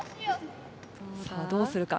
さあどうするか？